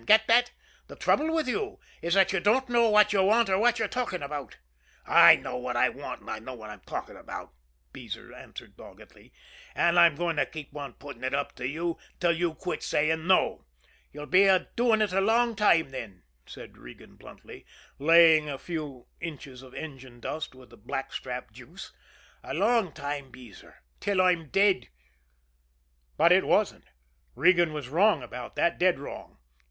Get that? The trouble with you is that you don't know what you want or what you're talking about." "I know what I want, and I know what I'm talking about," Beezer answered doggedly; "and I'm going to keep on putting it up to you till you quit saying 'No.'" "You'll be doing it a long time, then," said Regan bluntly, laying a few inches of engine dust with blackstrap juice; "a long time, Beezer till I'm dead." But it wasn't. Regan was wrong about that, dead wrong.